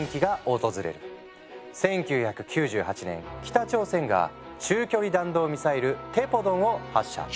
１９９８年北朝鮮が中距離弾道ミサイル「テポドン」を発射。